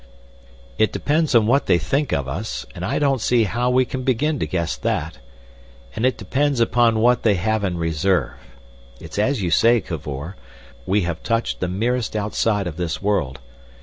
"It depends on what they think of us, and I don't see how we can begin to guess that. And it depends upon what they have in reserve. It's as you say, Cavor, we have touched the merest outside of this world.